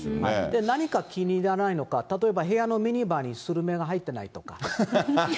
何が気に入らないのか、例えば部屋のミニバーにスルメが入ってないとか。